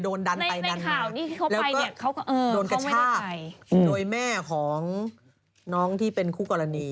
ดันไปดันมาแล้วก็โดนกระชากโดยแม่ของน้องที่เป็นคู่กรณี